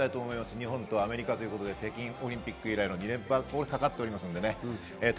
日本とアメリカで北京オリンピック以来の２連覇がかかっております。